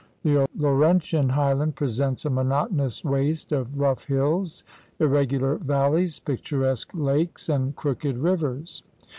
The Laurentian highland presents a monotonous waste of rough hills, irregular valleys, picturesque lakes, and crooked rivers.